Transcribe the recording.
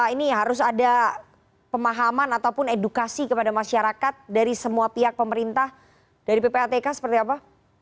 ini harus ada pemahaman ataupun edukasi kepada masyarakat dari semua pihak pemerintah dari ppatk seperti apa